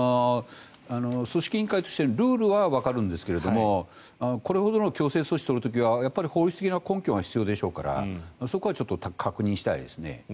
組織委員会としてのルールはわかるんですがこれほどの強制措置を取る時は法律的な根拠が必要ですからそこは確認したいですね。